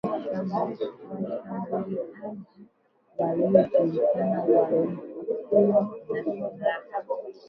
Washambuliaji wasiojulikana waliokuwa na silaha